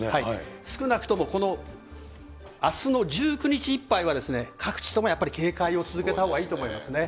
少なくともこのあすの１９日いっぱいは、各地ともやっぱり警戒を続けたほうがいいと思いますね。